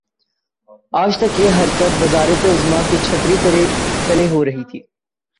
آج تک یہ حرکت وزارت عظمی کی چھتری تلے ہو رہی تھی۔